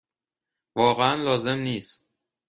واقعا لازم نیست.